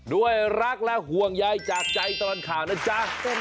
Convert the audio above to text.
ด้วยรักและห่วงใยจากใจตลอดข่าวนะจ๊ะ